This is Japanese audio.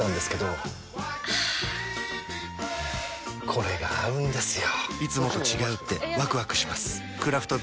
これが合うんですよ！